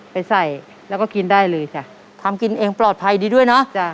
ไปใส่แล้วก็กินได้เลยจ้ะทำกินเองปลอดภัยดีด้วยเนอะจ้ะ